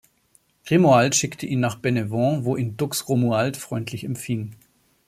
Grimoald schickte ihn nach Benevent, wo ihn dux Romuald freundlich empfing.